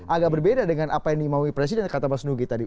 agak berbeda dengan apa yang mau presiden kata pak senugih tadi